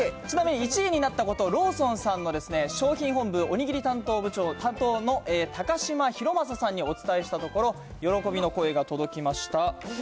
ちなみに１位になったことをローソンさんのですね、商品本部おにぎり担当の鷹島洋方さんにお伝えしたところ、喜びの声が届きました。